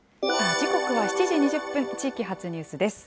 時刻は７時２０分、地域発ニュースです。